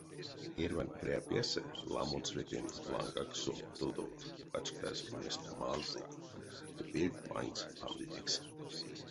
Эрьванть пря песэ ламо цветэнь лангакссо тодовт вачказь ульнесть мазый ды вельть ванькс пандынекс.